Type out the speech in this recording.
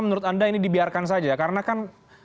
menurut anda ini dibiarkan saja karena kan